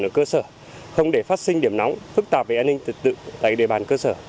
ở cơ sở không để phát sinh điểm nóng phức tạp về an ninh tự tự tại địa bàn cơ sở